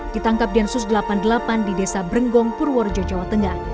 ditangkap densus delapan puluh delapan di desa brenggong purworejo jawa tengah